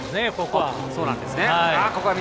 ここは。